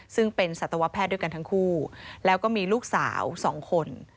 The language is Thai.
ซึ่งเป็นสัตวแพทย์ด้วยกันทั้งคู่แล้วก็มีลูกสาว๒คน